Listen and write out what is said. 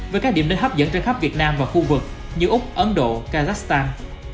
với các điểm đến hấp dẫn trên khắp việt nam và khu vực như úc ấn độ kazakhstan